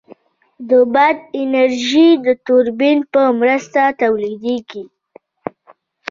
د باد انرژي د توربین په مرسته تولیدېږي.